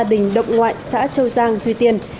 đỉnh động ngoại xã châu giang duy tiên